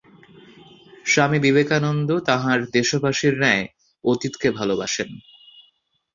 স্বামী বিবেকানন্দ তাঁহার দেশবাসীর ন্যায় অতীতকে ভালবাসেন।